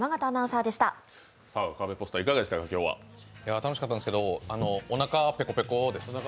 楽しかったんですがおなかペコペコです。